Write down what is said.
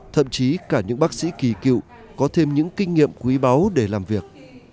thậm chí cả những bác sĩ kỳ cựu có thêm những kinh nghiệm quý báu để làm việc